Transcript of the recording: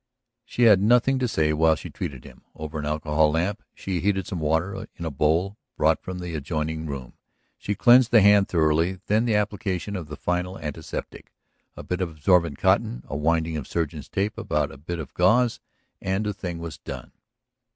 She had nothing to say while she treated him. Over an alcohol lamp she heated some water; in a bowl, brought from the adjoining room, she cleansed the hand thoroughly. Then the application of the final antiseptic, a bit of absorbent cotton, a winding of surgeon's tape about a bit of gauze, and the thing was done.